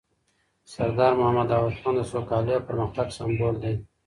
سردار محمد داود خان د سوکالۍ او پرمختګ سمبول دی.